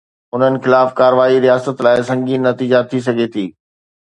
انهن خلاف ڪارروائي رياست لاءِ سنگين نتيجا ٿي سگهي ٿي.